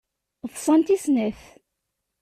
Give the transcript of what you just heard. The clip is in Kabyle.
Ḍsant i snat.